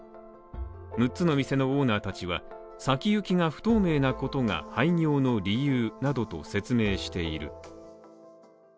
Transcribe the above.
六つの店のオーナーたちは、先行きが不透明なことが、廃業の理由などと説明している。